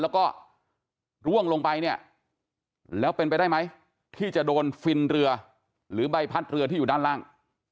แล้วก็ร่วงลงไปเนี่ยแล้วเป็นไปได้ไหมที่จะโดนฟินเรือหรือใบพัดเรือที่อยู่ด้านล่าง